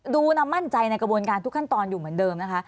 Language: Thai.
ดูนะมั่นใจในกระบวนการทุกขั้นตอนอยู่เหมือนเดิมนะคะ